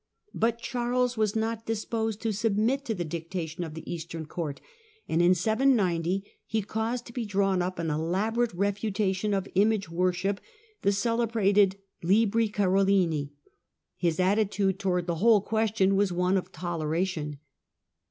But Charles was not disposed to submit to the dictation of the Eastern Court, and in 790 he caused to be drawn up an elaborate refutation of image worship — the celebrated Libri Garolini. His attitude towards the whole question was one of tolera tion.